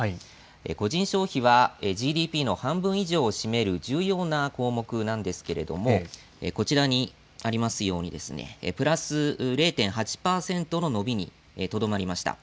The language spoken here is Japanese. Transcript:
個人消費はＧＤＰの半分以上を占める重要な項目なのですがこちらにありますようにプラス０．８％の伸びにとどまりました。